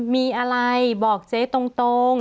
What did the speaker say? มีอะไรบอกเจ๊ตรง